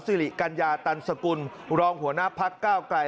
สิริกัญญาตันสกุลรองหัวหน้าพักก้าวไกล